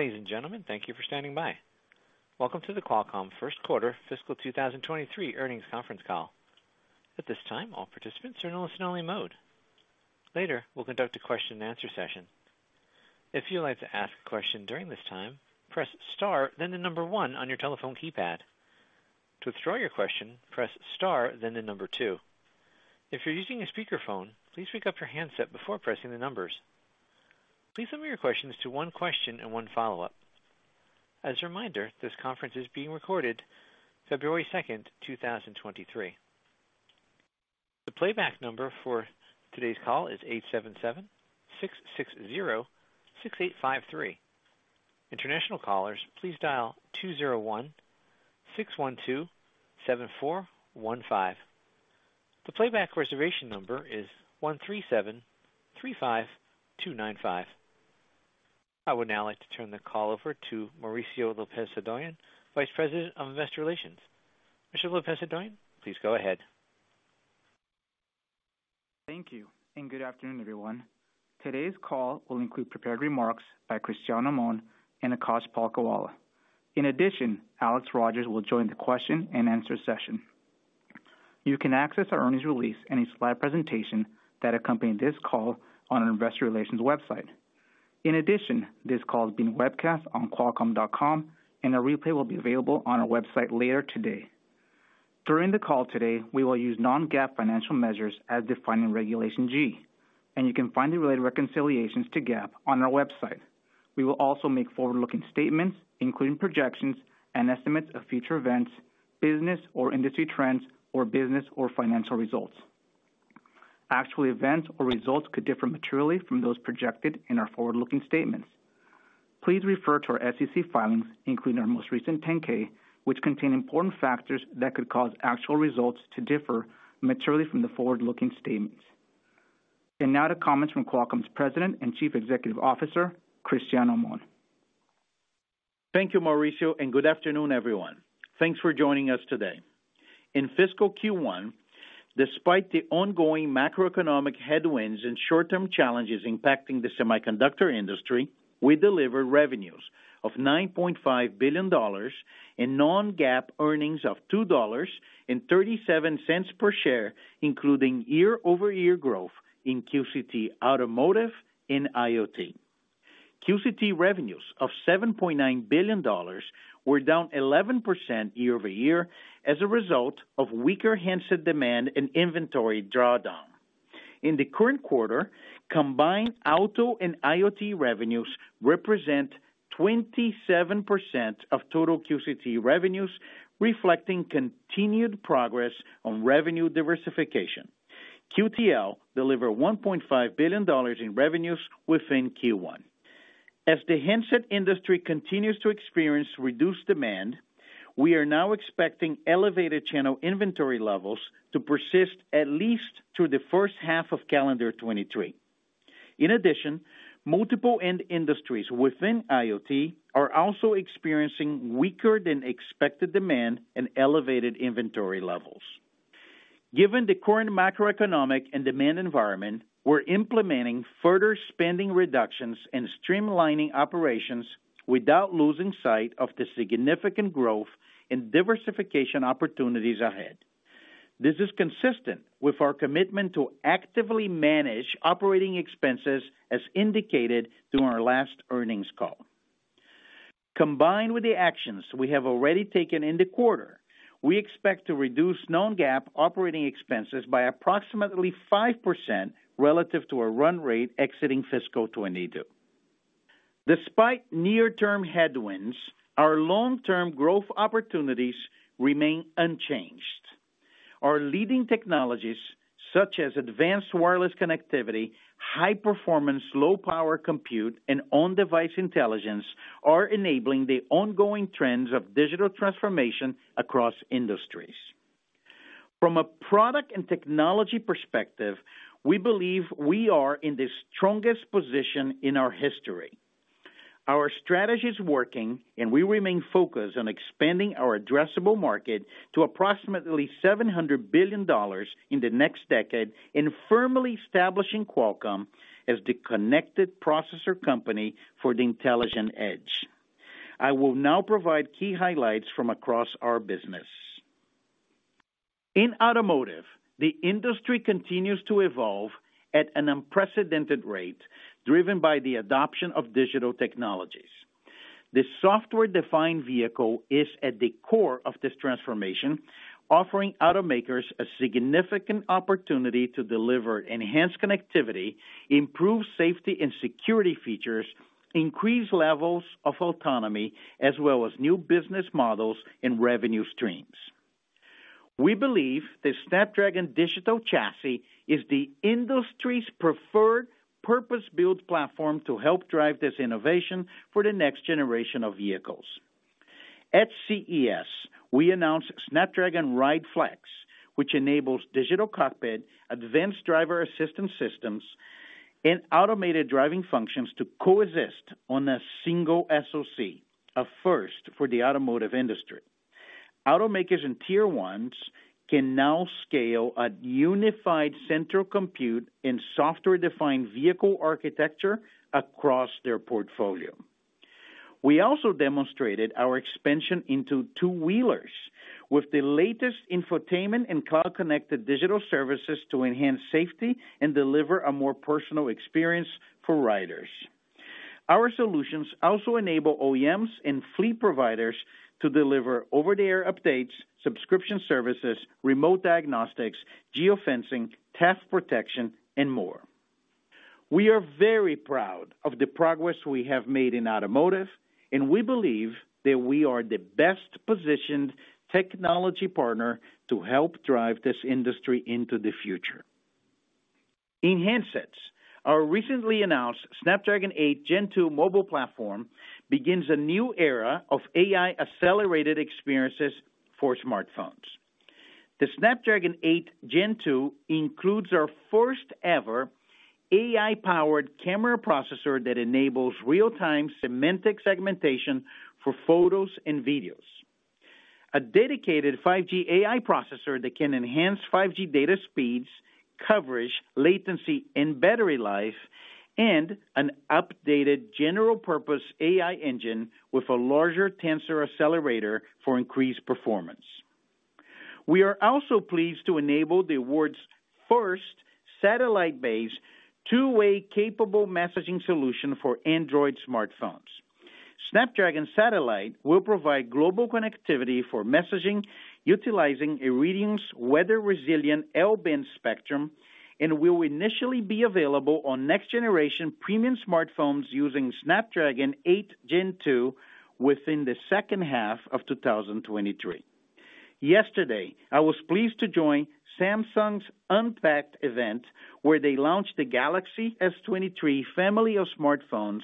Ladies and gentlemen, thank you for standing by. Welcome to the Qualcomm First Quarter fiscal 2023 earnings conference call. At this time, all participants are in listen-only mode. Later, we'll conduct a question-and-answer session. If you'd like to ask a question during this time, press Star, then the number one on your telephone keypad. To withdraw your question, press star, then the number two. If you're using a speakerphone, please pick up your handset before pressing the numbers. Please limit your questions to one question and one follow-up. As a reminder, this conference is being recorded February 2nd, 2023. The playback number for today's call is 877-660-6853. International callers, please dial 201-612-7415. The playback reservation number is 137-35295. I would now like to turn the call over to Mauricio Lopez-Hodoyan, Vice President of Investor Relations. Mr. Lopez-Hodoyan, please go ahead. Thank you, and good afternoon, everyone. Today's call will include prepared remarks by Cristiano Amon and Akash Palkhiwala. In addition, Alex Rogers will join the question-and-answer session. You can access our earnings release and its live presentation that accompany this call on our investor relations website. In addition, this call is being webcast on qualcomm.com, and a replay will be available on our website later today. During the call today, we will use non-GAAP financial measures as defining Regulation G, and you can find the related reconciliations to GAAP on our website. We will also make forward-looking statements, including projections and estimates of future events, business or industry trends, or business or financial results. Actual events or results could differ materially from those projected in our forward-looking statements. Please refer to our SEC filings, including our most recent 10-K, which contain important factors that could cause actual results to differ materially from the forward-looking statements. Now to comments from Qualcomm's President and Chief Executive Officer, Cristiano Amon. Thank you, Mauricio. Good afternoon, everyone. Thanks for joining us today. In fiscal Q1, despite the ongoing macroeconomic headwinds and short-term challenges impacting the semiconductor industry, we delivered revenues of $9.5 billion and non-GAAP earnings of $2.37 per share, including year-over-year growth in QCT automotive and IoT. QCT revenues of $7.9 billion were down 11% year-over-year as a result of weaker handset demand and inventory drawdown. In the current quarter, combined auto and IoT revenues represent 27% of total QCT revenues, reflecting continued progress on revenue diversification. QTL delivered $1.5 billion in revenues within Q1. The handset industry continues to experience reduced demand, we are now expecting elevated channel inventory levels to persist at least through the first half of calendar 2023. Multiple end industries within IoT are also experiencing weaker than expected demand and elevated inventory levels. Given the current macroeconomic and demand environment, we're implementing further spending reductions and streamlining operations without losing sight of the significant growth and diversification opportunities ahead. This is consistent with our commitment to actively manage operating expenses as indicated during our last earnings call. Combined with the actions we have already taken in the quarter, we expect to reduce non-GAAP operating expenses by approximately 5% relative to a run rate exiting fiscal 2022. Despite near-term headwinds, our long-term growth opportunities remain unchanged. Our leading technologies, such as advanced wireless connectivity, high performance, low power compute, and on-device intelligence, are enabling the ongoing trends of digital transformation across industries. From a product and technology perspective, we believe we are in the strongest position in our history. Our strategy is working, and we remain focused on expanding our addressable market to approximately $700 billion in the next decade and firmly establishing Qualcomm as the connected processor company for the intelligent edge. I will now provide key highlights from across our business. In automotive, the industry continues to evolve at an unprecedented rate, driven by the adoption of digital technologies. The software-defined vehicle is at the core of this transformation, offering automakers a significant opportunity to deliver enhanced connectivity, improve safety and security features, increase levels of autonomy, as well as new business models and revenue streams. We believe the Snapdragon Digital Chassis is the industry's preferred purpose-built platform to help drive this innovation for the next generation of vehicles. At CES, we announced Snapdragon Ride Flex, which enables digital cockpit, advanced driver assistance systems, and automated driving functions to coexist on a single SoC, a first for the automotive industry. Automakers and tier ones can now scale a unified central compute and software-defined vehicle architecture across their portfolio. We also demonstrated our expansion into two-wheelers with the latest infotainment and cloud-connected digital services to enhance safety and deliver a more personal experience for riders. Our solutions also enable OEMs and fleet providers to deliver over-the-air updates, subscription services, remote diagnostics, geo-fencing, theft protection, and more. We are very proud of the progress we have made in automotive, and we believe that we are the best-positioned technology partner to help drive this industry into the future. In handsets, our recently announced Snapdragon 8 Gen 2 mobile platform begins a new era of AI-accelerated experiences for smartphones. The Snapdragon 8 Gen 2 includes our first-ever AI-powered camera processor that enables real-time semantic segmentation for photos and videos. A dedicated 5G AI processor that can enhance 5G data speeds, coverage, latency and battery life, and an updated general-purpose AI engine with a larger tensor accelerator for increased performance. We are also pleased to enable the world's first satellite-based two-way capable messaging solution for Android smartphones. Snapdragon Satellite will provide global connectivity for messaging, utilizing Iridium's weather-resilient L-band spectrum and will initially be available on next-generation premium smartphones using Snapdragon 8 Gen 2 within the second half of 2023. Yesterday, I was pleased to join Samsung's Unpacked event, where they launched the Galaxy S23 family of smartphones,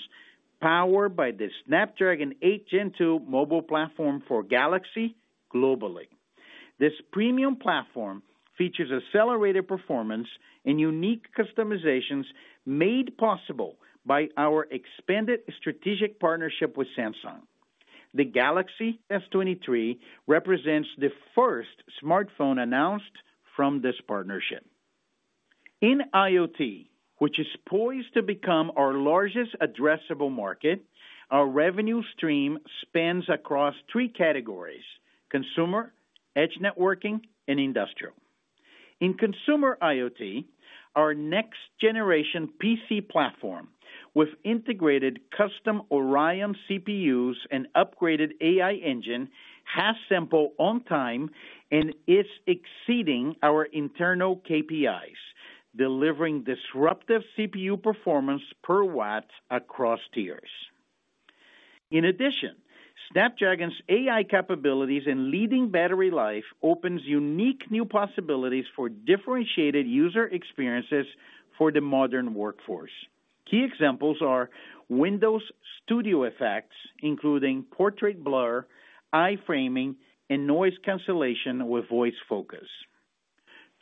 powered by the Snapdragon 8 Gen 2 mobile platform for Galaxy globally. This premium platform features accelerated performance and unique customizations made possible by our expanded strategic partnership with Samsung. The Galaxy S23 represents the first smartphone announced from this partnership. In IoT, which is poised to become our largest addressable market, our revenue stream spans across three categories: consumer, edge networking, and industrial. In consumer IoT, our next-generation PC platform, with integrated custom Oryon CPUs and upgraded AI engine has sampled on time and is exceeding our internal KPIs, delivering disruptive CPU performance per watt across tiers. In addition, Snapdragon's AI capabilities and leading battery life opens unique new possibilities for differentiated user experiences for the modern workforce. Key examples are Windows Studio effects, including portrait blur, eye framing, and noise cancellation with voice focus.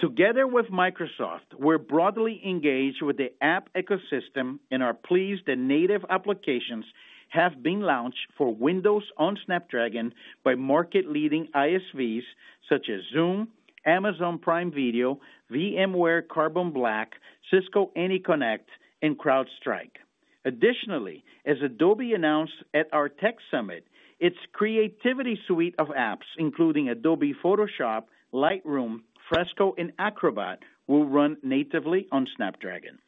Together with Microsoft, we're broadly engaged with the app ecosystem and are pleased that native applications have been launched for Windows on Snapdragon by market-leading ISVs such as Zoom, Amazon Prime Video, VMware Carbon Black, Cisco AnyConnect, and CrowdStrike. Additionally, as Adobe announced at our Tech Summit, its Creativity suite of apps, including Adobe Photoshop, Lightroom, Fresco, and Acrobat, will run natively on Snapdragon.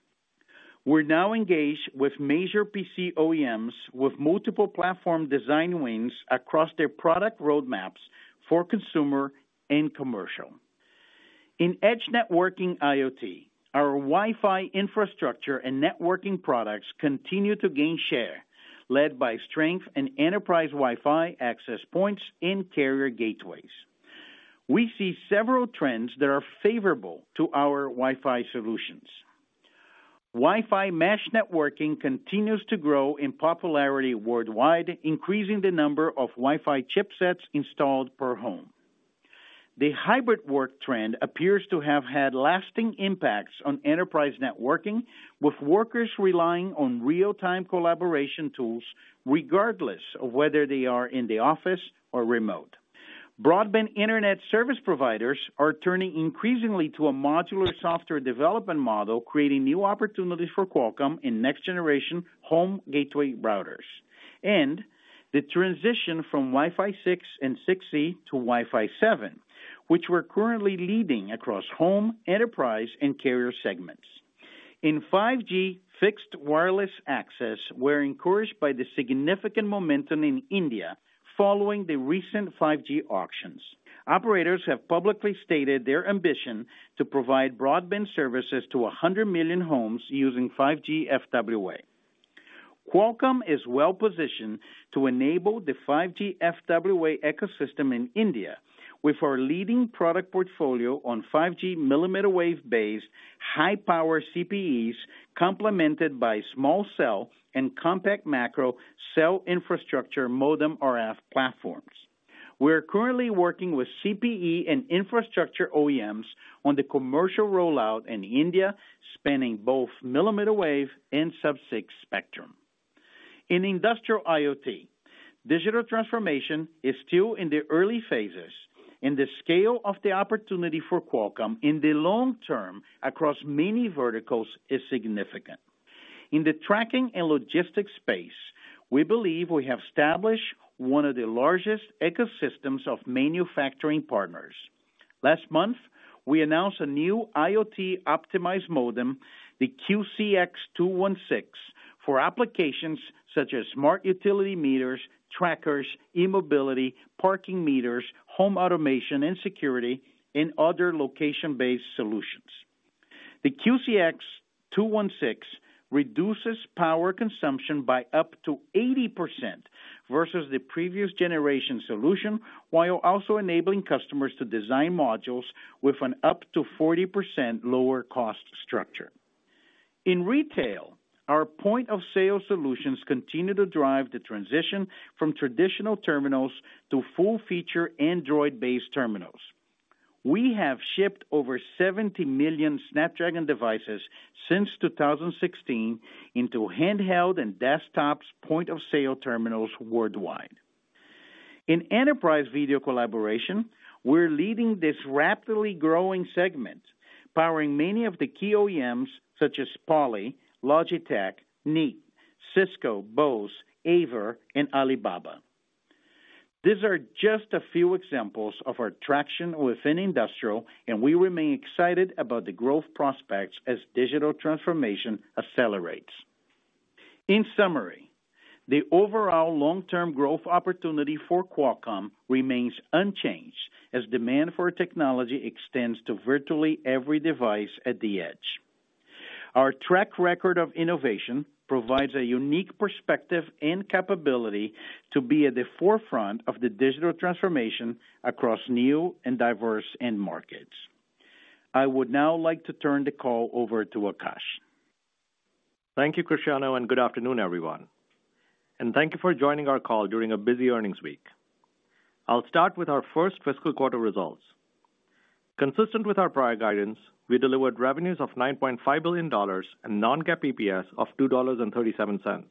We're now engaged with major PC OEMs with multiple platform design wins across their product roadmaps for consumer and commercial. In edge networking IoT, our Wi-Fi infrastructure and networking products continue to gain share, led by strength in enterprise Wi-Fi access points and carrier gateways. We see several trends that are favorable to our Wi-Fi solutions. Wi-Fi mesh networking continues to grow in popularity worldwide, increasing the number of Wi-Fi chipsets installed per home. The hybrid work trend appears to have had lasting impacts on enterprise networking, with workers relying on real-time collaboration tools regardless of whether they are in the office or remote. Broadband internet service providers are turning increasingly to a modular software development model, creating new opportunities for Qualcomm in next-generation home gateway routers. The transition from Wi-Fi 6 and 6E to Wi-Fi 7, which we're currently leading across home, enterprise and carrier segments. In 5G fixed wireless access, we're encouraged by the significant momentum in India following the recent 5G auctions. Operators have publicly stated their ambition to provide broadband services to 100 million homes using 5G FWA. Qualcomm is well-positioned to enable the 5G FWA ecosystem in India with our leading product portfolio on 5G millimeter wave-based high-power CPEs, complemented by small cell and compact macro cell infrastructure modem RF platforms. We are currently working with CPE and infrastructure OEMs on the commercial rollout in India, spanning both millimeter wave and sub-six spectrum. In industrial IoT, digital transformation is still in the early phases, and the scale of the opportunity for Qualcomm in the long term across many verticals is significant. In the tracking and logistics space, we believe we have established one of the largest ecosystems of manufacturing partners. Last month, we announced a new IoT optimized modem, the QCX216, for applications such as smart utility meters, trackers, e-mobility, parking meters, home automation and security, and other location-based solutions. The QCX216 reduces power consumption by up to 80% versus the previous generation solution, while also enabling customers to design modules with an up to 40% lower cost structure. In retail, our point of sale solutions continue to drive the transition from traditional terminals to full feature Android-based terminals. We have shipped over 70 million Snapdragon devices since 2016 into handheld and desktops point of sale terminals worldwide. In enterprise video collaboration, we're leading this rapidly growing segment, powering many of the key OEMs such as Poly, Logitech, Neat, Cisco, Bose, AVer, and Alibaba. These are just a few examples of our traction within industrial, and we remain excited about the growth prospects as digital transformation accelerates. In summary, the overall long-term growth opportunity for Qualcomm remains unchanged as demand for technology extends to virtually every device at the edge. Our track record of innovation provides a unique perspective and capability to be at the forefront of the digital transformation across new and diverse end markets. I would now like to turn the call over to Akash. Thank you, Cristiano, good afternoon, everyone. Thank you for joining our call during a busy earnings week. I'll start with our first fiscal quarter results. Consistent with our prior guidance, we delivered revenues of $9.5 billion and non-GAAP EPS of $2.37.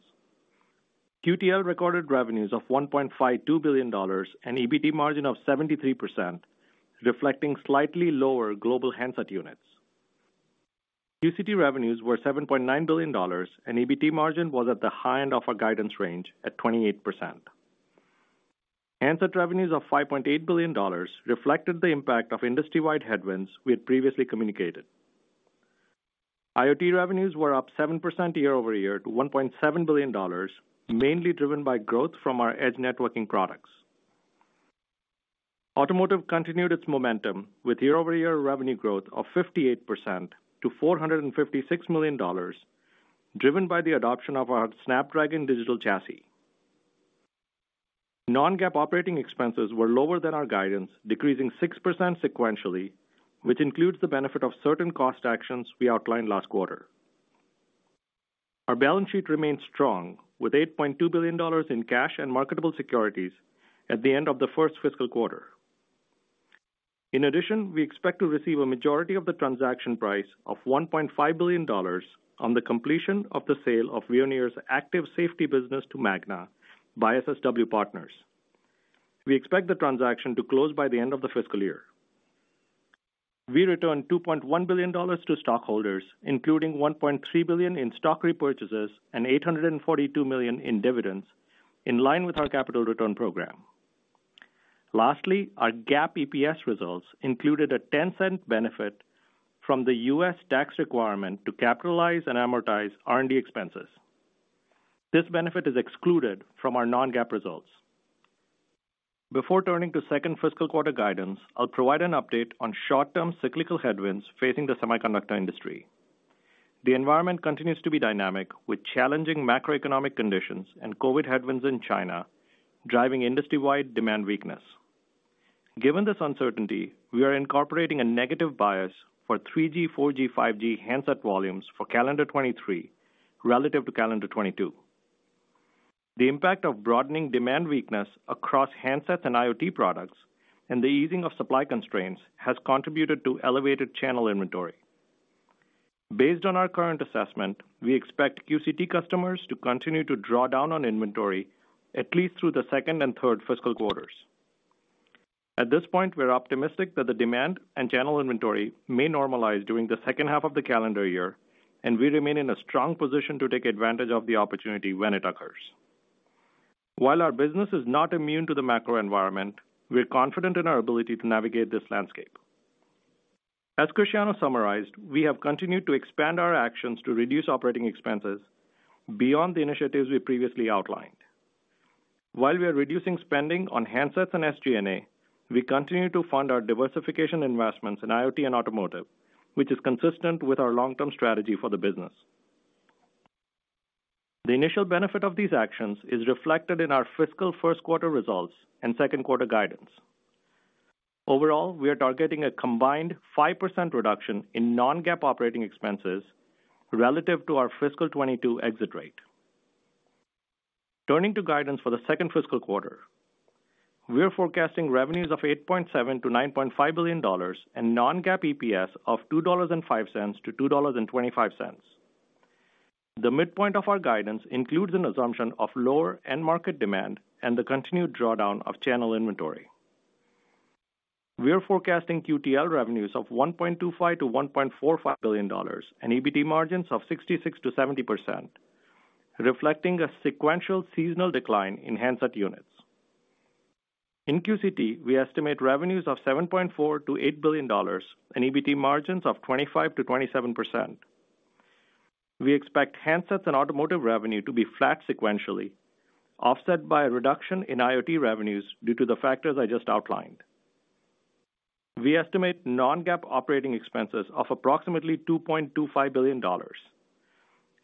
QTL recorded revenues of $1.52 billion and EBT margin of 73%, reflecting slightly lower global handset units. QCT revenues were $7.9 billion, and EBT margin was at the high end of our guidance range at 28%. Handset revenues of $5.8 billion reflected the impact of industry-wide headwinds we had previously communicated. IoT revenues were up 7% year-over-year to $1.7 billion, mainly driven by growth from our edge networking products. Automotive continued its momentum with year-over-year revenue growth of 58% to $456 million, driven by the adoption of our Snapdragon Digital Chassis. Non-GAAP operating expenses were lower than our guidance, decreasing 6% sequentially, which includes the benefit of certain cost actions we outlined last quarter. Our balance sheet remains strong, with $8.2 billion in cash and marketable securities at the end of the first fiscal quarter. We expect to receive a majority of the transaction price of $1.5 billion on the completion of the sale of Veoneer's active safety business to Magna by SSW Partners. We expect the transaction to close by the end of the fiscal year. We returned $2.1 billion to stockholders, including $1.3 billion in stock repurchases and $842 million in dividends, in line with our capital return program. Lastly, our GAAP EPS results included a $0.10 benefit from the U.S. tax requirement to capitalize and amortize R&D expenses. This benefit is excluded from our non-GAAP results. Before turning to second fiscal quarter guidance, I'll provide an update on short-term cyclical headwinds facing the semiconductor industry. The environment continues to be dynamic, with challenging macroeconomic conditions and COVID headwinds in China driving industry-wide demand weakness. Given this uncertainty, we are incorporating a negative bias for 3G, 4G, 5G handset volumes for calendar 23 relative to calendar 22. The impact of broadening demand weakness across handsets and IoT products and the easing of supply constraints has contributed to elevated channel inventory. Based on our current assessment, we expect QCT customers to continue to draw down on inventory at least through the second and third fiscal quarters. At this point, we're optimistic that the demand and channel inventory may normalize during the second half of the calendar year, and we remain in a strong position to take advantage of the opportunity when it occurs. While our business is not immune to the macro environment, we are confident in our ability to navigate this landscape. As Cristiano summarized, we have continued to expand our actions to reduce operating expenses beyond the initiatives we previously outlined. While we are reducing spending on handsets and SG&A, we continue to fund our diversification investments in IoT and automotive, which is consistent with our long-term strategy for the business. The initial benefit of these actions is reflected in our fiscal first quarter results and second quarter guidance. Overall, we are targeting a combined 5% reduction in non-GAAP operating expenses relative to our fiscal 2022 exit rate. Turning to guidance for the second fiscal quarter. We're forecasting revenues of $8.7 billion-$9.5 billion and non-GAAP EPS of $2.05-$2.25. The midpoint of our guidance includes an assumption of lower end market demand and the continued drawdown of channel inventory. We are forecasting QTL revenues of $1.25 billion-$1.45 billion and EBIT margins of 66%-70%, reflecting a sequential seasonal decline in handset units. In QCT, we estimate revenues of $7.4 billion-$8 billion and EBIT margins of 25%-27%. We expect handsets and automotive revenue to be flat sequentially, offset by a reduction in IoT revenues due to the factors I just outlined. We estimate non-GAAP operating expenses of approximately $2.25 billion.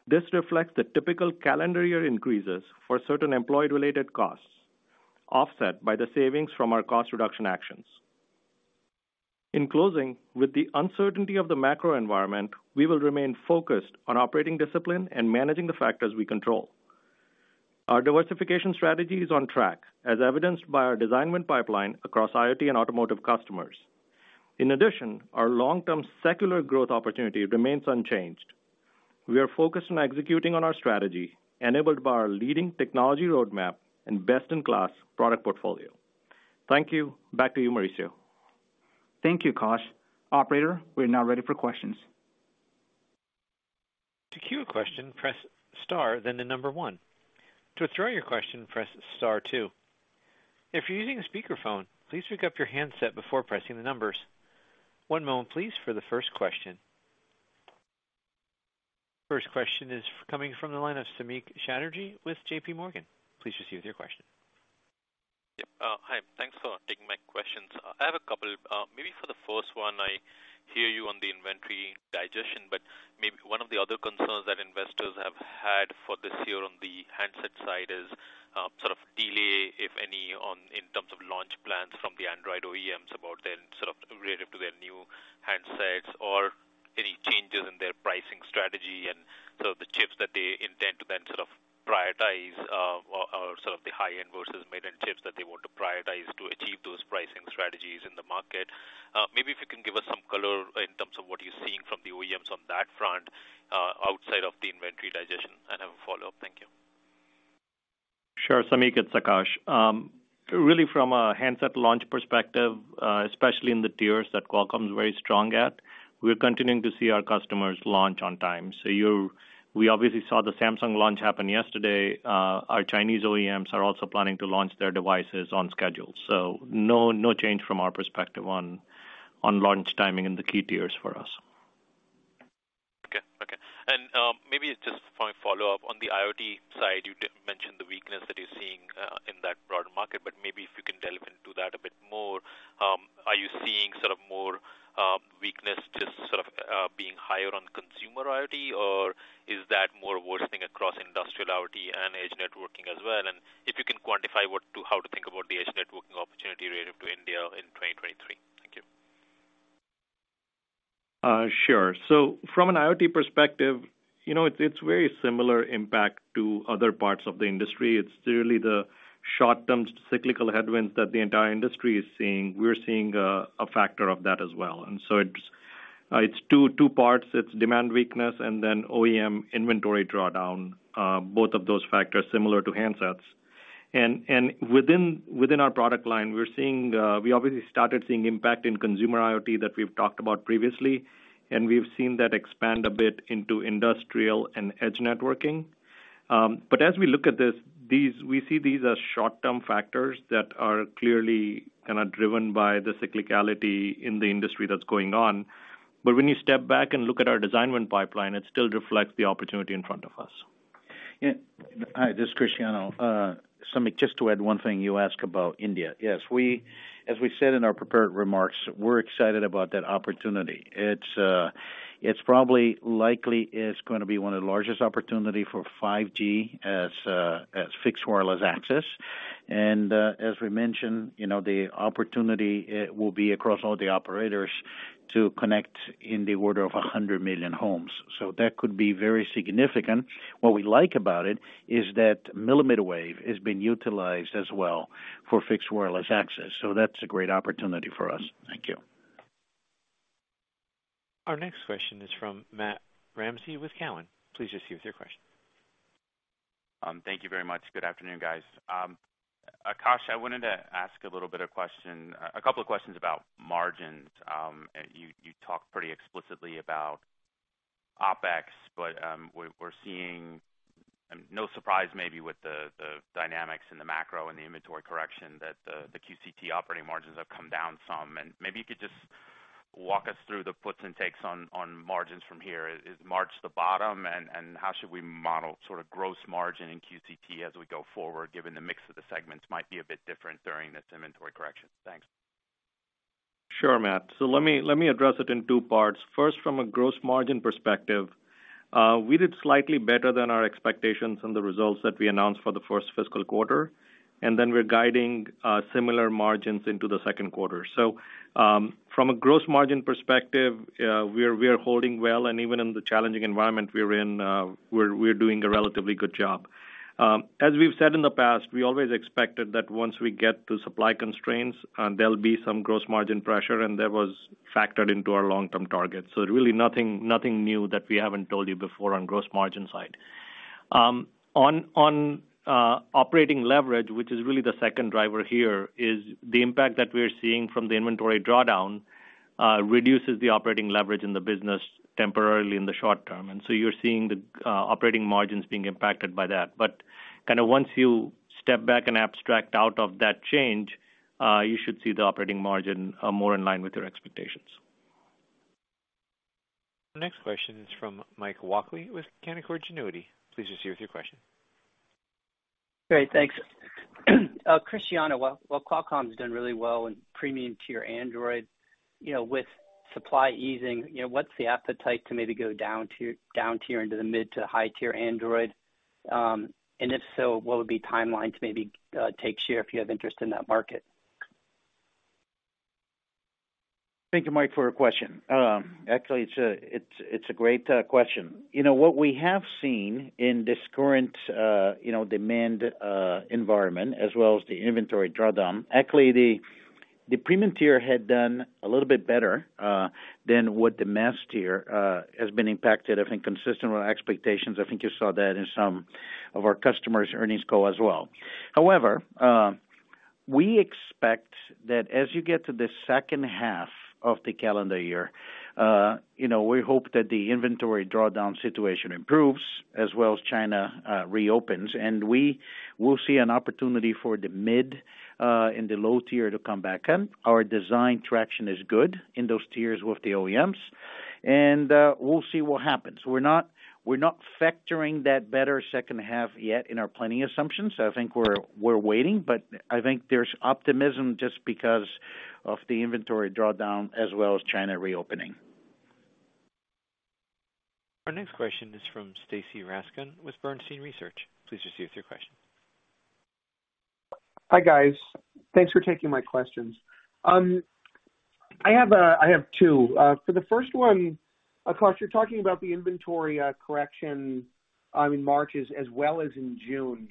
This reflects the typical calendar year increases for certain employee-related costs, offset by the savings from our cost reduction actions. In closing, with the uncertainty of the macro environment, we will remain focused on operating discipline and managing the factors we control. Our diversification strategy is on track, as evidenced by our design win pipeline across IoT and automotive customers. Our long-term secular growth opportunity remains unchanged. We are focused on executing on our strategy, enabled by our leading technology roadmap and best-in-class product portfolio. Thank you. Back to you, Mauricio. Thank you, Akash. Operator, we are now ready for questions. To queue a question, press star, then one. To withdraw your question, press star two. If you're using a speakerphone, please pick up your handset before pressing the numbers. One moment please for the first question. First question is coming from the line of Samik Chatterjee with JP Morgan. Please proceed with your question. Yeah. Hi, thanks for taking my questions. I have a couple. Maybe for the first one, I hear you on the inventory digestion, but one of the other concerns that investors have had for this year on the handset side is, sort of delay, if any, on, in terms of launch plans from the Android OEMs about their, sort of relative to their new handsets or any changes in their pricing strategy, and so the chips that they intend to then sort of prioritize, or sort of the high-end versus mid-end chips that they want to prioritize to achieve those pricing strategies in the market. Maybe if you can give us some color in terms of what you're seeing from the OEMs on that front, outside of the inventory digestion. I have a follow-up. Thank you. Sure. Samik, it's Akash. Really from a handset launch perspective, especially in the tiers that Qualcomm is very strong at, we're continuing to see our customers launch on time. We obviously saw the Samsung launch happen yesterday. Our Chinese OEMs are also planning to launch their devices on schedule. No, no change from our perspective on launch timing in the key tiers for us. Okay. Okay. Maybe just follow up. On the IoT side, you mentioned the weakness that you're seeing in that broader market, but maybe if you can delve into that a bit more. Are you seeing sort of more weakness just sort of being higher on consumer IoT, or is that more worsening across industrial IoT and edge networking as well? If you can quantify what to, how to think about the edge networking opportunity relative to India in 2023. Thank you. Sure. From an IoT perspective, you know, it's very similar impact to other parts of the industry. It's really the short-term cyclical headwinds that the entire industry is seeing. We're seeing a factor of that as well. It's 2 parts. It's demand weakness and then OEM inventory drawdown, both of those factors similar to handsets. Within our product line, we're seeing, we obviously started seeing impact in consumer IoT that we've talked about previously, and we've seen that expand a bit into industrial and edge networking. As we look at these, we see these as short-term factors that are clearly kind of driven by the cyclicality in the industry that's going on. When you step back and look at our design win pipeline, it still reflects the opportunity in front of us. Hi, this is Cristiano Amon. Samik, just to add one thing, you ask about India. As we said in our prepared remarks, we're excited about that opportunity. It's, it's probably likely is gonna be one of the largest opportunity for 5G as fixed wireless access. As we mentioned, you know, the opportunity, it will be across all the operators to connect in the order of 100 million homes. That could be very significant. What we like about it is that millimeter wave is being utilized as well for fixed wireless access. That's a great opportunity for us. Thank you. Our next question is from Matthew Ramsay with Cowen. Please proceed with your question. Thank you very much. Good afternoon, guys. Akash, I wanted to ask a couple of questions about margins. You talked pretty explicitly about OpEx, we're seeing no surprise maybe with the dynamics and the macro and the inventory correction that the QCT operating margins have come down some, and maybe you could just walk us through the puts and takes on margins from here. Is March the bottom and how should we model sorta gross margin in QCT as we go forward, given the mix of the segments might be a bit different during this inventory correction? Thanks. Sure, Matt. Let me address it in two parts. First, from a gross margin perspective, we did slightly better than our expectations on the results that we announced for the first fiscal quarter, and then we're guiding similar margins into the second quarter. From a gross margin perspective, we are holding well, and even in the challenging environment we're in, we're doing a relatively good job. As we've said in the past, we always expected that once we get to supply constraints, and there'll be some gross margin pressure, and that was factored into our long-term target. Really nothing new that we haven't told you before on gross margin side. On operating leverage, which is really the second driver here, is the impact that we're seeing from the inventory drawdown, reduces the operating leverage in the business temporarily in the short term. You're seeing the operating margins being impacted by that. Kinda once you step back and abstract out of that change, you should see the operating margin more in line with your expectations. The next question is from Mike Walkley with Canaccord Genuity. Please proceed with your question. Great, thanks. Cristiano, while Qualcomm's done really well in premium-tier Android, you know, with supply easing, you know, what's the appetite to maybe go down tier into the mid to high tier Android? If so, what would be timelines maybe, take share if you have interest in that market? Thank you, Mike, for your question. Actually, it's a great question. You know, what we have seen in this current, you know, demand environment as well as the inventory drawdown. Actually, the premium tier had done a little bit better than what the mass tier has been impacted. I think consistent with expectations, I think you saw that in some of our customers' earnings call as well. However, we expect that as you get to the second half of the calendar year, you know, we hope that the inventory drawdown situation improves as well as China reopens, and we will see an opportunity for the mid and the low tier to come back in. Our design traction is good in those tiers with the OEMs, and we'll see what happens. We're not factoring that better second half yet in our planning assumptions. I think we're waiting, but I think there's optimism just because of the inventory drawdown as well as China reopening. Our next question is from Stacy Rasgon with Bernstein Research. Please proceed with your question. Hi, guys. Thanks for taking my questions. I have two. For the first one, Akash, you're talking about the inventory correction in March as well as in June.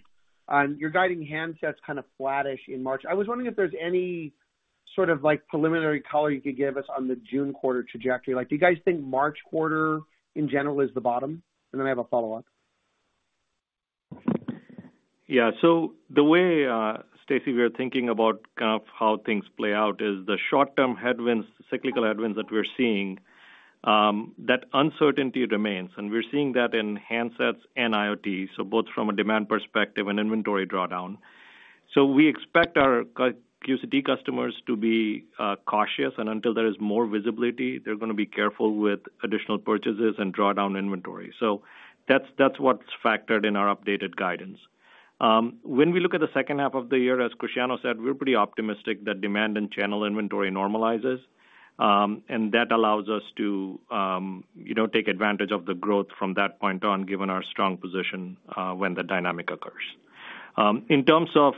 You're guiding handsets kinda flattish in March. I was wondering if there's any sort of, like, preliminary color you could give us on the June quarter trajectory. Like, do you guys think March quarter in general is the bottom? Then I have a follow-up. Yeah. The way, Stacy, we are thinking about kind of how things play out is the short-term headwinds, cyclical headwinds that we're seeing, that uncertainty remains, and we're seeing that in handsets and IoT, both from a demand perspective and inventory drawdown. We expect our QCT customers to be cautious, and until there is more visibility, they're gonna be careful with additional purchases and draw down inventory. That's what's factored in our updated guidance. When we look at the second half of the year, as Cristiano said, we're pretty optimistic that demand and channel inventory normalizes. That allows us to, you know, take advantage of the growth from that point on, given our strong position, when the dynamic occurs. In terms of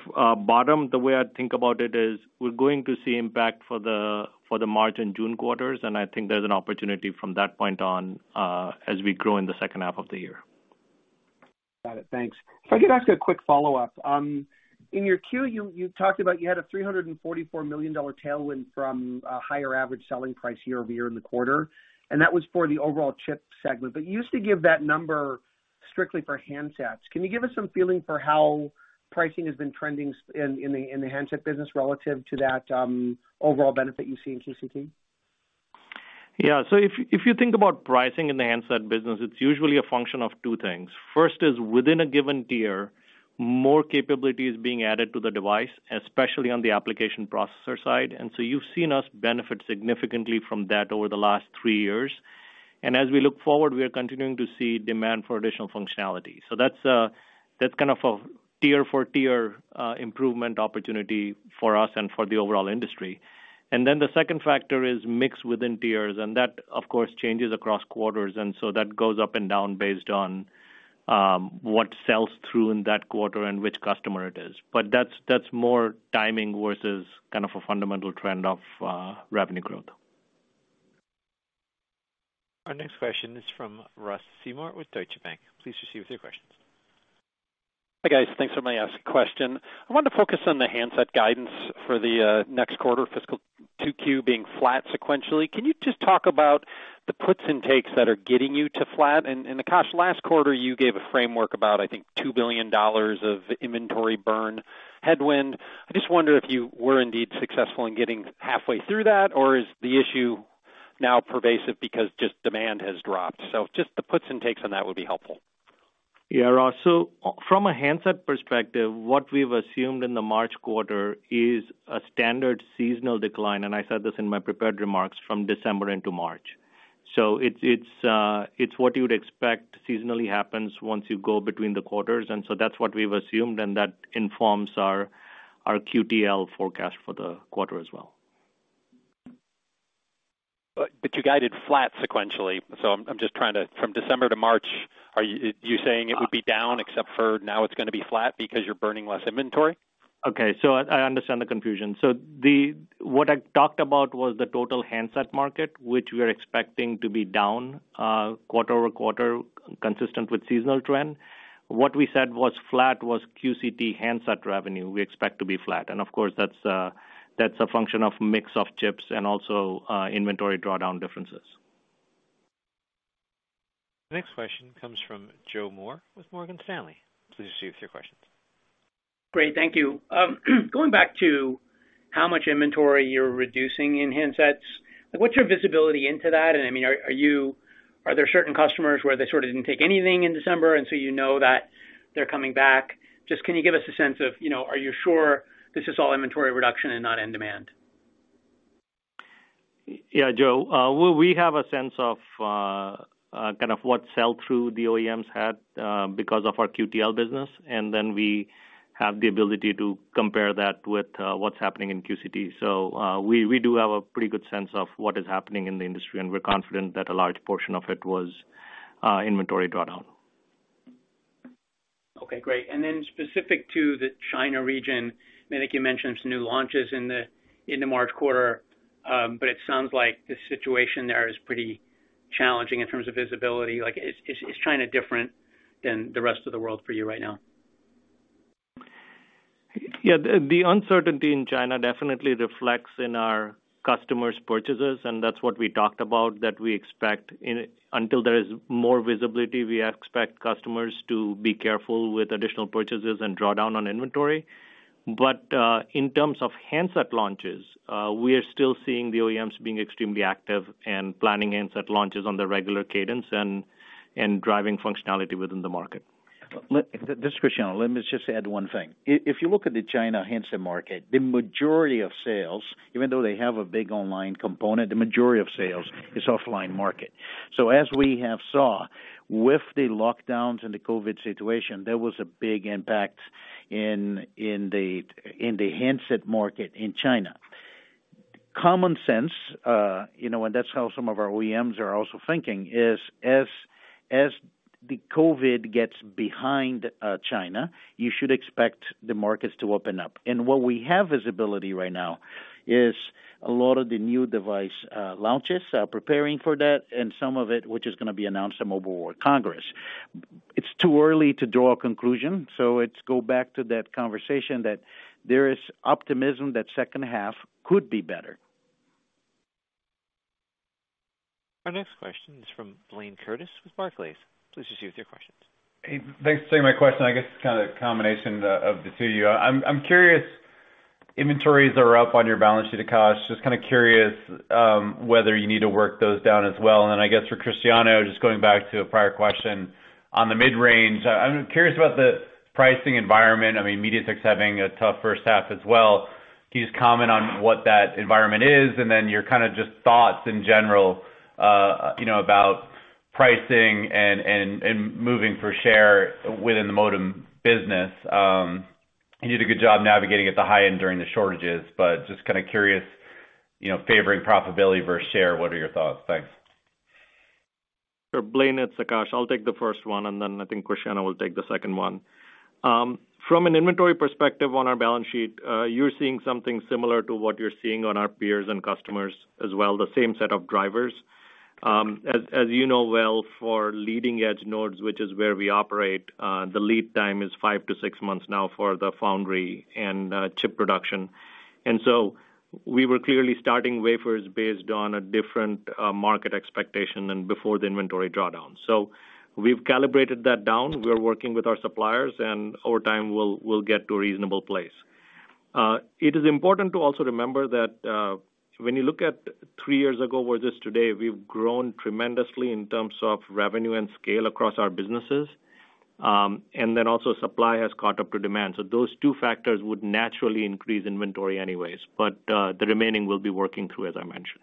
bottom, the way I think about it is we're going to see impact for the March and June quarters. I think there's an opportunity from that point on, as we grow in the second half of the year. Got it. Thanks. If I could ask a quick follow-up. In your Q, you talked about you had a $344 million tailwind from a higher average selling price year-over-year in the quarter, and that was for the overall chip segment. You used to give that number strictly for handsets. Can you give us some feeling for how pricing has been trending in the handset business relative to that overall benefit you see in QCT? Yeah. If you think about pricing in the handset business, it's usually a function of two things. First is within a given tier, more capability is being added to the device, especially on the application processor side. You've seen us benefit significantly from that over the last three years. As we look forward, we are continuing to see demand for additional functionality. That's, that's kind of a tier for tier improvement opportunity for us and for the overall industry. The second factor is mix within tiers, and that, of course, changes across quarters, and so that goes up and down based on what sells through in that quarter and which customer it is. That's, that's more timing versus kind of a fundamental trend of revenue growth. Our next question is from Ross Seymore with Deutsche Bank. Please proceed with your questions. Hi, guys. Thanks so much for asking question. I wanted to focus on the handset guidance for the next quarter fiscal 2Q being flat sequentially. Can you just talk about the puts and takes that are getting you to flat? Akash, last quarter, you gave a framework about, I think, $2 billion of inventory burn headwind. I just wonder if you were indeed successful in getting halfway through that, or is the issue now pervasive because just demand has dropped? Just the puts and takes on that would be helpful. Yeah, Ross. From a handset perspective, what we've assumed in the March quarter is a standard seasonal decline, and I said this in my prepared remarks from December into March. It's what you would expect seasonally happens once you go between the quarters. That's what we've assumed, and that informs our QTL forecast for the quarter as well. You guided flat sequentially. I'm just trying to. From December to March, are you saying it would be down except for now it's gonna be flat because you're burning less inventory? Okay, I understand the confusion. What I talked about was the total handset market, which we are expecting to be down quarter-over-quarter, consistent with seasonal trend. What we said was flat was QCT handset revenue we expect to be flat. Of course that's that's a function of mix of chips and also inventory drawdown differences. The next question comes from Joe Moore with Morgan Stanley. Please proceed with your questions. Great, thank you. Going back to how much inventory you're reducing in handsets, what's your visibility into that? I mean, are there certain customers where they sort of didn't take anything in December, and so you know that they're coming back? Can you give us a sense of, you know, are you sure this is all inventory reduction and not in demand? Joe, well, we have a sense of kind of what sell through the OEMs had because of our QTL business, and then we have the ability to compare that with what's happening in QCT. We do have a pretty good sense of what is happening in the industry, and we're confident that a large portion of it was inventory drawdown. Okay, great. Then specific to the China region, I think you mentioned some new launches in the March quarter, but it sounds like the situation there is pretty challenging in terms of visibility. Like, is China different than the rest of the world for you right now? Yeah. The uncertainty in China definitely reflects in our customers' purchases, and that's what we talked about, that we expect until there is more visibility, we expect customers to be careful with additional purchases and draw down on inventory. In terms of handset launches, we are still seeing the OEMs being extremely active and planning handset launches on their regular cadence and driving functionality within the market. This is Cristiano. Let me just add one thing. If you look at the China handset market, the majority of sales, even though they have a big online component, the majority of sales is offline market. As we have saw with the lockdowns and the COVID situation, there was a big impact in the handset market in China. Common sense, you know, that's how some of our OEMs are also thinking is, as the COVID gets behind China, you should expect the markets to open up. What we have visibility right now is a lot of the new device launches are preparing for that and some of it which is gonna be announced at Mobile World Congress. It's too early to draw a conclusion, so let's go back to that conversation that there is optimism that second half could be better. Our next question is from Blayne Curtis with Barclays. Please proceed with your questions. Hey, thanks for taking my question. I guess kind of a combination of the two of you. I'm curious, inventories are up on your balance sheet, Akash. Just kind of curious whether you need to work those down as well. I guess for Cristiano, just going back to a prior question on the mid-range, I'm curious about the pricing environment. I mean, MediaTek's having a tough first half as well. Can you just comment on what that environment is and then your kind of just thoughts in general, you know, about pricing and moving for share within the modem business. You did a good job navigating at the high-end during the shortages, but just kind of curious, you know, favoring profitability versus share, what are your thoughts? Thanks. For Blayne, it's Akash. I'll take the first one, then I think Cristiano will take the second one. From an inventory perspective on our balance sheet, you're seeing something similar to what you're seeing on our peers and customers as well, the same set of drivers. As you know well, for leading-edge nodes, which is where we operate, the lead time is five to six months now for the foundry and chip production. We were clearly starting wafers based on a different market expectation than before the inventory drawdown. We've calibrated that down. We're working with our suppliers and over time we'll get to a reasonable place. It is important to also remember that when you look at three years ago versus today, we've grown tremendously in terms of revenue and scale across our businesses. Also supply has caught up to demand. Those two factors would naturally increase inventory anyways. The remaining we'll be working through as I mentioned.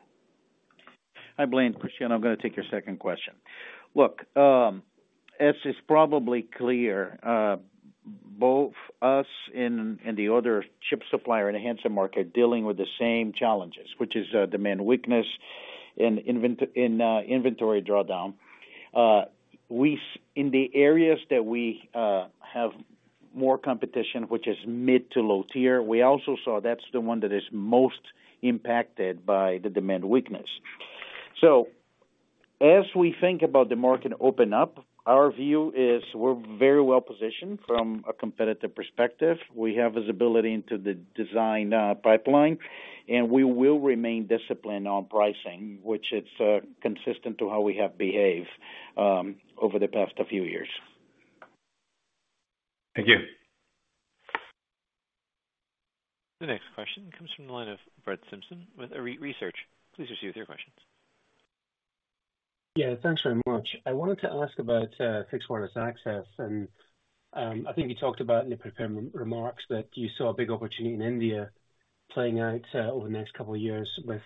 Hi, Blayne. Cristiano. I'm gonna take your second question. Look, as is probably clear, both us and the other chip supplier in the handset market dealing with the same challenges, which is demand weakness and inventory drawdown. In the areas that we have more competition, which is mid to low tier, we also saw that's the one that is most impacted by the demand weakness. As we think about the market open up, our view is we're very well positioned from a competitive perspective. We have visibility into the design pipeline, and we will remain disciplined on pricing, which it's consistent to how we have behaved over the past few years. Thank you. The next question comes from the line of Brett Simpson with Arete Research. Please proceed with your questions. Yeah, thanks very much. I wanted to ask about fixed wireless access, and I think you talked about in the prepared remarks that you saw a big opportunity in India playing out over the next couple of years with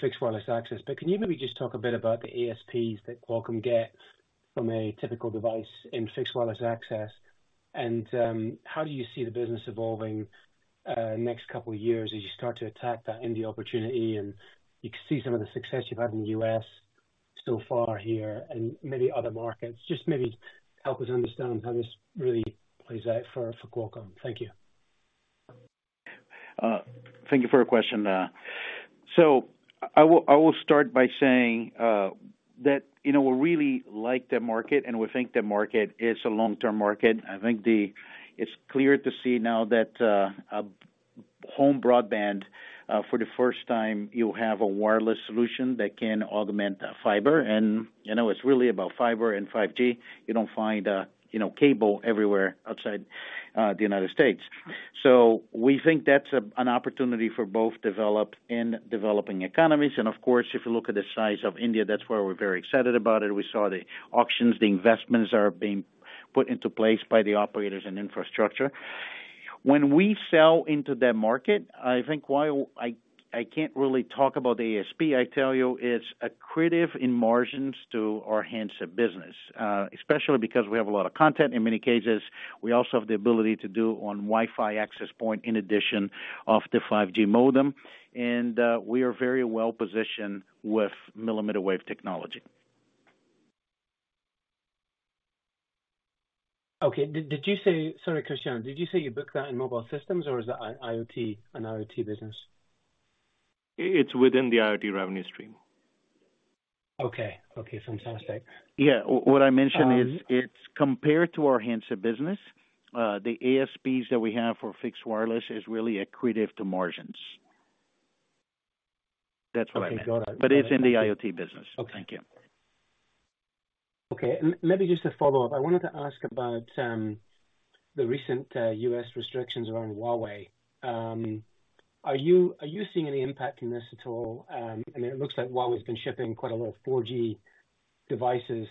fixed wireless access. Can you maybe just talk a bit about the ASPs that Qualcomm gets from a typical device in fixed wireless access? How do you see the business evolving next couple of years as you start to attack that India opportunity and you can see some of the success you've had in the U.S. So far here and many other markets. Just maybe help us understand how this really plays out for Qualcomm. Thank you. Thank you for your question. I will start by saying that, you know, we really like the market, and we think the market is a long-term market. It's clear to see now that home broadband, for the first time you have a wireless solution that can augment fiber. You know, it's really about fiber and 5G. You don't find, you know, cable everywhere outside the United States. We think that's an opportunity for both developed and developing economies. Of course, if you look at the size of India, that's where we're very excited about it. We saw the auctions, the investments are being put into place by the operators and infrastructure. When we sell into that market, I think while I can't really talk about the ASP, I tell you it's accretive in margins to our handset business. Especially because we have a lot of content in many cases, we also have the ability to do on Wi-Fi access point in addition of the 5G modem. We are very well positioned with millimeter wave technology. Okay. Sorry, Cristiano, did you say you booked that in mobile systems or is that I-IoT, an IoT business? It's within the IoT revenue stream. Okay. Okay. Fantastic. Yeah. What I mentioned. Um- It's compared to our handset business, the ASPs that we have for fixed wireless is really accretive to margins. That's what I meant. Okay, got it. it's in the IoT business. Okay. Thank you. Okay. Maybe just to follow up, I wanted to ask about the recent U.S. restrictions around Huawei. Are you seeing any impact in this at all? I mean, it looks like Huawei's been shipping quite a lot of 4G devices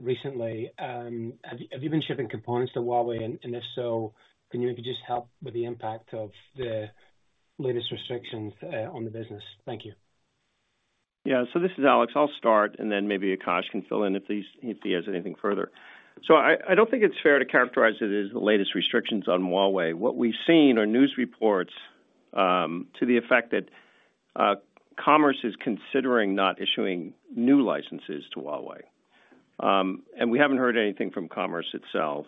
recently. Have you been shipping components to Huawei? And if so, can you maybe just help with the impact of the latest restrictions on the business? Thank you. Yeah. This is Alex. I'll start, and then maybe Akash can fill in if he has anything further. I don't think it's fair to characterize it as the latest restrictions on Huawei. What we've seen are news reports to the effect that Commerce is considering not issuing new licenses to Huawei. We haven't heard anything from Commerce itself.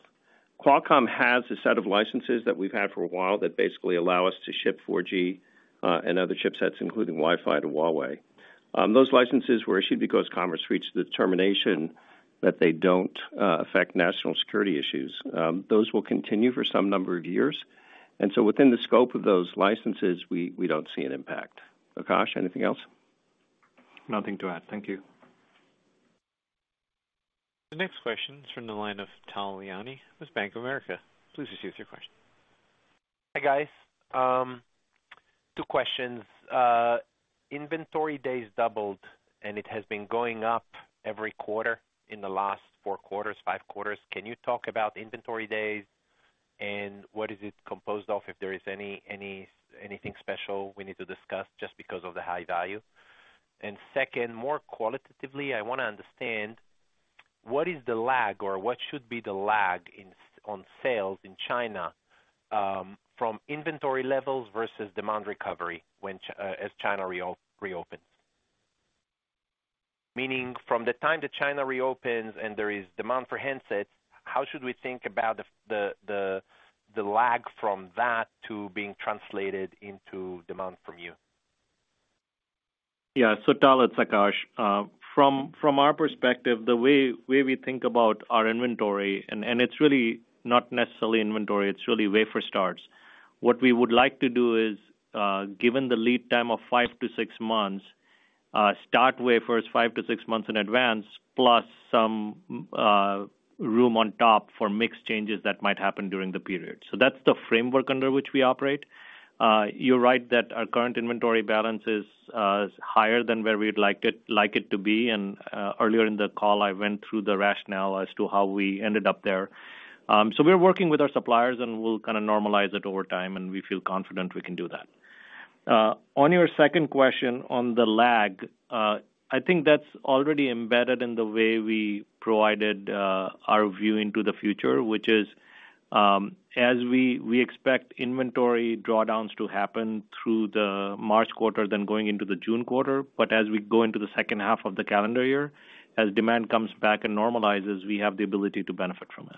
Qualcomm has a set of licenses that we've had for a while that basically allow us to ship 4G and other chipsets, including Wi-Fi, to Huawei. Those licenses were issued because Commerce reached the determination that they don't affect national security issues. Those will continue for some number of years. Within the scope of those licenses, we don't see an impact. Akash, anything else? Nothing to add. Thank you. The next question is from the line of Tal Liani with Bank of America. Please proceed with your question. Hi, guys. Two questions. Inventory days doubled, and it has been going up every quarter in the last four quarters, five quarters. Can you talk about inventory days and what is it composed of, if there is anything special we need to discuss just because of the high value? Second, more qualitatively, I wanna understand what is the lag or what should be the lag on sales in China, from inventory levels versus demand recovery when as China reopens. Meaning, from the time that China reopens and there is demand for handsets, how should we think about the lag from that to being translated into demand from you? Yeah. Tal, it's Akash. From our perspective, the way we think about our inventory, and it's really not necessarily inventory, it's really wafer starts. What we would like to do is, given the lead time of five to six months, start wafers five to six months in advance, plus some room on top for mixed changes that might happen during the period. That's the framework under which we operate. You're right that our current inventory balance is higher than where we'd like it to be. Earlier in the call, I went through the rationale as to how we ended up there. We're working with our suppliers, and we'll kinda normalize it over time, and we feel confident we can do that. On your second question on the lag, I think that's already embedded in the way we provided our view into the future, which is, as we expect inventory drawdowns to happen through the March quarter, then going into the June quarter. As we go into the second half of the calendar year, as demand comes back and normalizes, we have the ability to benefit from it.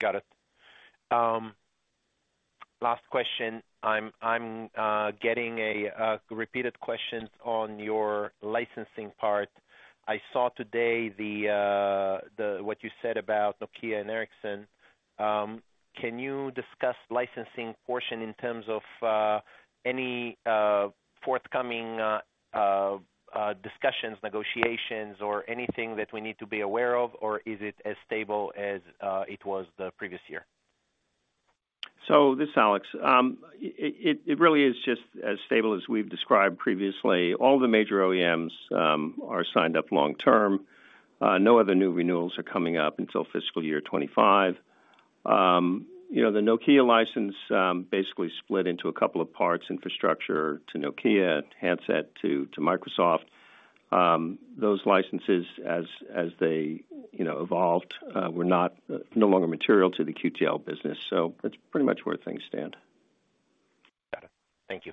Got it. Last question. I'm getting a repeated question on your licensing part. I saw today the what you said about Nokia and Ericsson. Can you discuss licensing portion in terms of any forthcoming discussions, negotiations or anything that we need to be aware of? Or is it as stable as it was the previous year? This is Alex. It really is just as stable as we've described previously. All the major OEMs are signed up long term. No other new renewals are coming up until fiscal year 2025. You know, the Nokia license basically split into a couple of parts, infrastructure to Nokia, handset to Microsoft. Those licenses as they, you know, evolved, were not, no longer material to the QTL business. That's pretty much where things stand. Thank you.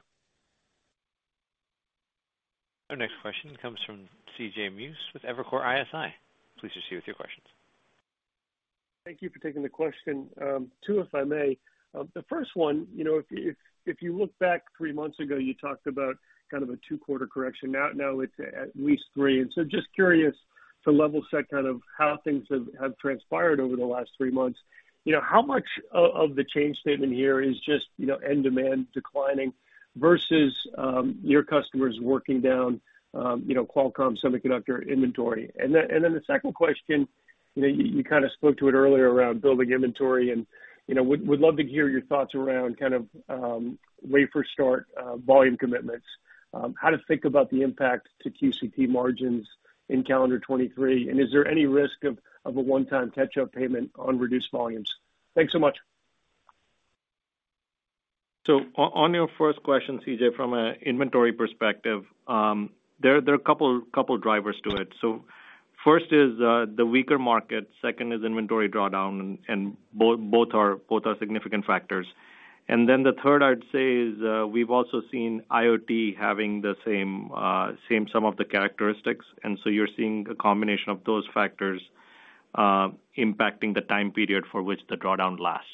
Our next question comes from C.J. Muse with Evercore ISI. Please proceed with your questions. Thank you for taking the question. You know, if you look back three months ago, you talked about kind of a two-quarter correction. Now it's at least three. Just curious to level set kind of how things have transpired over the last three months. You know, how much of the change statement here is just, you know, end demand declining versus your customers working down, you know, Qualcomm semiconductor inventory? The second question, you know, you kind of spoke to it earlier around building inventory and, you know, would love to hear your thoughts around kind of, wafer start, volume commitments, how to think about the impact to QCT margins in calendar 2023, and is there any risk of a one-time catch-up payment on reduced volumes? Thanks so much. On your first question, C.J., from an inventory perspective, there are a couple drivers to it. First is the weaker market, second is inventory drawdown, and both are significant factors. The third I'd say is, we've also seen IoT having the same some of the characteristics. You're seeing a combination of those factors impacting the time period for which the drawdown lasts.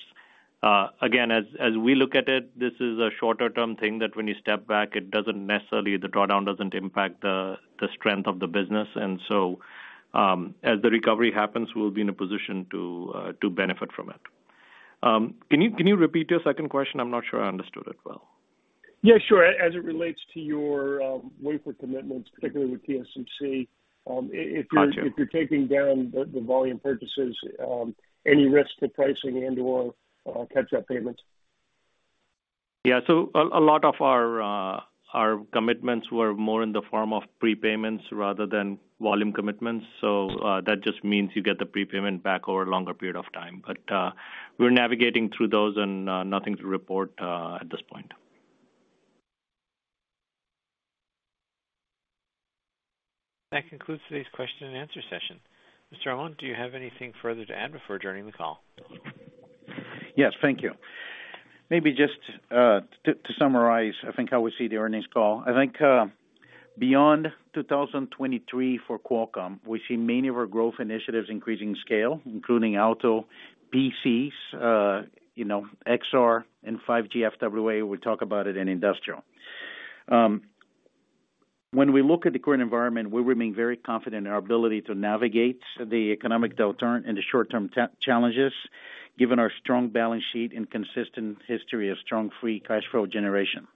Again, as we look at it, this is a shorter term thing that when you step back, it doesn't necessarily, the drawdown doesn't impact the strength of the business. As the recovery happens, we'll be in a position to benefit from it. Can you repeat your second question? I'm not sure I understood it well. Yeah, sure. As it relates to your wafer commitments, particularly with TSMC. Got you. If you're taking down the volume purchases, any risk to pricing and/or catch-up payments? Yeah. A lot of our commitments were more in the form of prepayments rather than volume commitments. That just means you get the prepayment back over a longer period of time. We're navigating through those and nothing to report at this point. That concludes today's question and answer session. Mr. Amon, do you have anything further to add before adjourning the call? Yes. Thank you. Maybe just to summarize, I think how we see the earnings call. I think, beyond 2023 for Qualcomm, we see many of our growth initiatives increasing scale, including auto, PCs, you know, XR and 5G FWA. We'll talk about it in industrial. When we look at the current environment, we remain very confident in our ability to navigate the economic downturn and the short-term challenges, given our strong balance sheet and consistent history of strong free cash flow generation.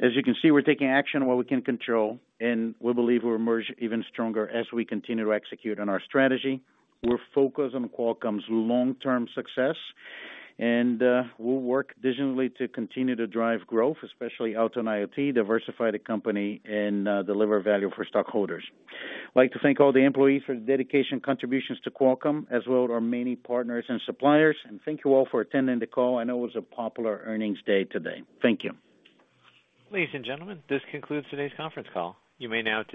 As you can see, we're taking action on what we can control, and we believe we'll emerge even stronger as we continue to execute on our strategy. We're focused on Qualcomm's long-term success, we'll work diligently to continue to drive growth, especially out on IoT, diversify the company and deliver value for stockholders. I'd like to thank all the employees for their dedication and contributions to Qualcomm, as well as our many partners and suppliers. Thank you all for attending the call. I know it was a popular earnings day today. Thank you. Ladies and gentlemen, this concludes today's conference call. You may now disconnect.